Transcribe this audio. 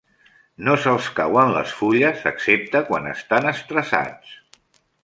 No se'ls cauen les fulles excepte quan estan estressats.